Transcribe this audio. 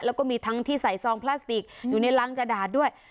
แล้วก็มีทั้งที่ใส่ซองพลาสติกอยู่ในรังกระดาษด้วย